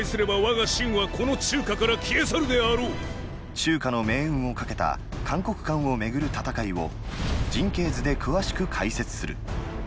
中華の命運をかけた函谷関を巡る戦いを陣形図で詳しく解説する。